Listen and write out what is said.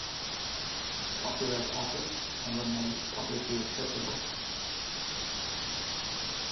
Copyright Office and were made publicly accessible.